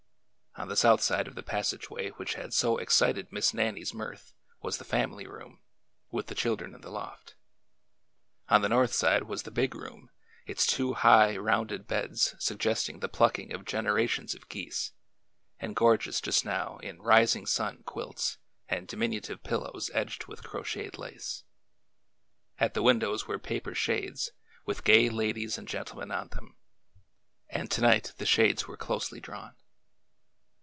On the south side of the passageway which had so ex cited Miss Nannie's mirth was the family room, with the children in the loft. On the north side was the ''big room," its two high, rounded beds suggesting the pluck ing of generations of geese, and gorgeous just now in '' rising sun " quilts and diminutive pillows edged with crocheted lace. At the windows were paper shades, with gay ladies and gentlemen on them,— and to night the shades were closely drawn.